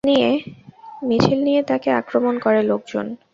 মিছিল নিয়ে তাঁকে আক্রমণ করে লোকজন।